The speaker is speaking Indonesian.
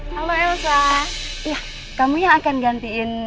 nanti gue aja nyari presenting